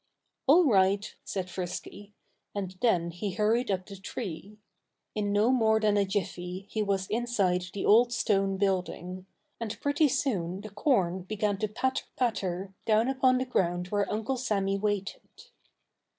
"All right!" said Frisky. And then he hurried up the tree. In no more than a jiffy he was inside the old stone building; and pretty soon the corn began to patter, patter, down upon the ground where Uncle Sammy waited.